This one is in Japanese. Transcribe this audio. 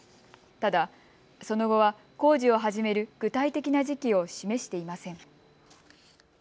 ただ、その後は工事を始める具体的な時期を示していません。